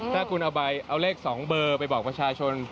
ถ้าคุณเอาเลข๒เบอร์ไปบอกประชาชน